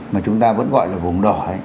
mà chúng ta vẫn gọi là vùng đỏ